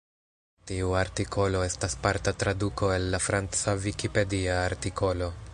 Tiu artikolo estas parta traduko el la franca Vikipedia artikolo.